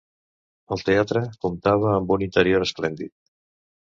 El teatre comptava amb un interior esplèndid.